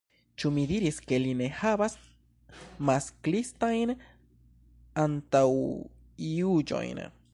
Ĉu mi diris ke li ne havas masklistajn antaŭjuĝojn?